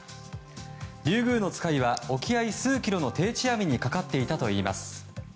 リュウグウノツカイは沖合数キロの定置網にかかっていたといいます。